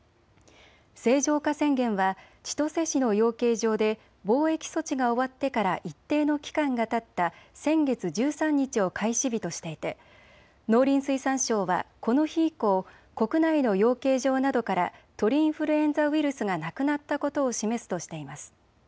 清浄化宣言は千歳市の養鶏場で防疫措置が終わってから一定の期間がたった先月１３日を開始日としていて農林水産省はこの日以降、国内の養鶏場などから鳥インフルエンザウイルスがなくなったことを示すとしています。